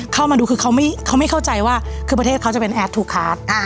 เข้ามาดูคือเขาไม่เข้าใจว่าคือประเทศเขาจะเป็นแอดถูกคาร์ด